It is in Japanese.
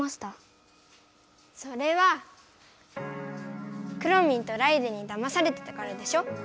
それはくろミンとライデェンにだまされてたからでしょ？